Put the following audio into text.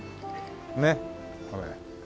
ねっこれ。